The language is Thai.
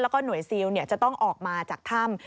แล้วก็หน่วยซิลจะต้องออกมาจากถ้ำ